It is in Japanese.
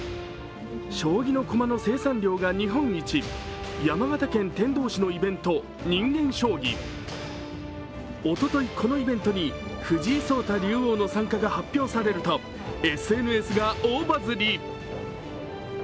将棋の駒の生産量が日本一、山形県天童市のイベント、人間将棋おととい、このイベントに藤井聡太竜王の参加が発表されるとＳＮＳが大バズり。